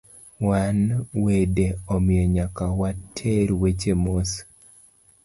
Wan wede, omiyo nyaka water weche mos